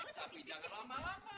tapi jangan lama lama